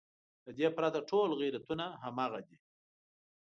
له دې پرته ټول غیرتونه همغه دي.